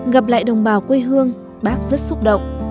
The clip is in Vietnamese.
gặp lại đồng bào quê hương bác rất xúc động